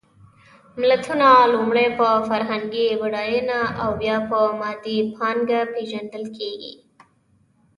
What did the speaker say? ملتونه لومړی په فرهنګي بډایېنه او بیا په مادي پانګه پېژندل کېږي.